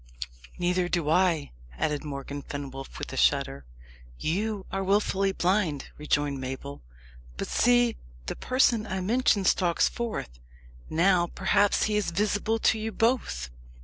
"Neither do I," added Morgan Fenwolf, with a shudder. "You are wilfully blind," rejoined Mabel. "But see, the person I mentioned stalks forth. Now, perhaps, he is visible to you both."